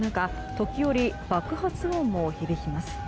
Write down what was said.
時折、爆発音も響きます。